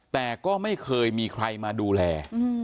แต่ก็ไม่เคยมีใครมาดูแล